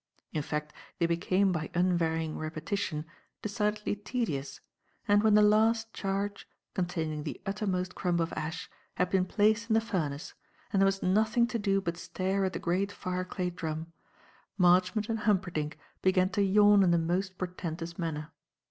In fact they became by unvarying repetition, decidedly tedious, and when the last charge containing the uttermost crumb of ash had been placed in the furnace and there was nothing to do but stare at the great fireclay drum, Marchmont and Humperdinck began to yawn in the most portentous manner.